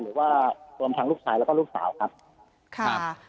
หรือว่าพร้อมทางลูกชายและลูกสาวครับ